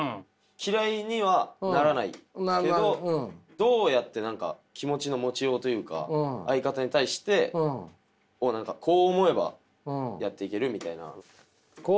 嫌いにはならないけどどうやって気持ちの持ちようというか相方に対してこう思えばやっていける。